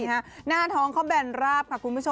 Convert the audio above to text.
หน้าท้องเขาแบนราบ